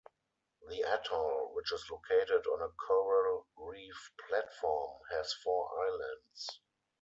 The atoll, which is located on a coral reef platform, has four islands.